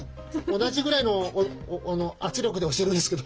同じぐらいの圧力で押してるんですけど。